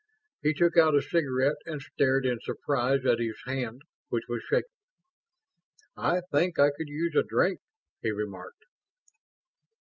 He took out a cigarette and stared in surprise at his hand, which was shaking. "I think I could use a drink," he remarked.